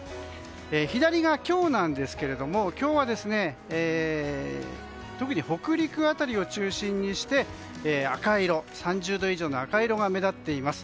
左が今日なんですけれども今日は特に北陸辺りを中心にして３０度以上の赤色が目立っています。